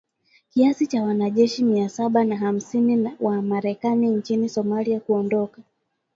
kiasi cha wanajeshi mia saba na hamsini wa Marekani nchini Somalia kuondoka